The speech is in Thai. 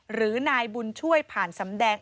หรือนายบุญช่วยผ่านสำแดง